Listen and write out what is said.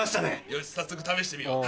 よし早速試してみよう。